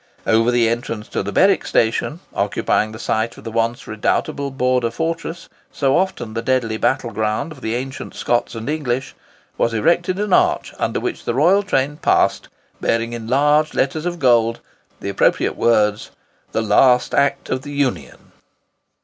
Over the entrance to the Berwick station, occupying the site of the once redoubtable Border fortress, so often the deadly battle ground of the ancient Scots and English, was erected an arch under which the royal train passed, bearing in large letters of gold the appropriate words, "The last act of the Union."